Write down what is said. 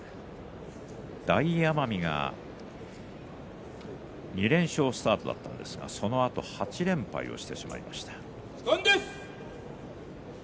大奄美が２連勝スタートだったんですがそのあと８連敗をしてしまいました。